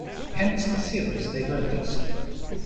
Hence the series diverges.